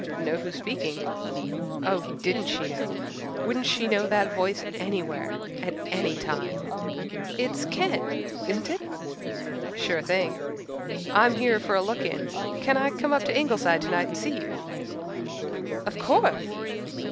"Know who's speaking?" Oh, didn't she know! Wouldn't she know that voice anywhere at any time? "It's Ken isn't it?" "Sure thing. I'm here for a look in. Can I come up to Ingleside tonight and see you?" "Of courthe."